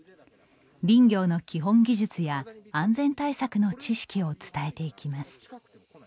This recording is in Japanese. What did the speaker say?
林業の基本技術や安全対策の知識を伝えていきます。